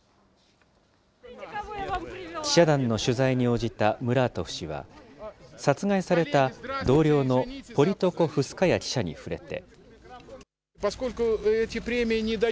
記者団の取材に応じたムラートフ氏は、殺害された同僚のポリトコフスカヤ記者に触れて。